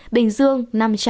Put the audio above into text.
bình dương năm trăm bảy mươi bảy